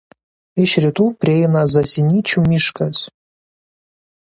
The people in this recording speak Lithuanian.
Iš rytų prieina Zasinyčių miškas.